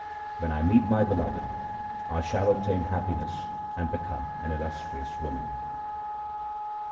When I meet my Beloved, I shall obtain happiness and become an illustrious woman.